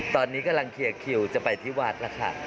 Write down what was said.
ตอนนี้กำลังเคลียร์คิวจะไปที่วัดแล้วค่ะ